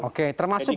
oke termasuk juga